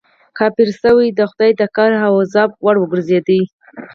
کافر شوې د خدای د قهر او غضب وړ وګرځېدې.